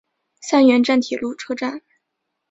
三原站铁路车站。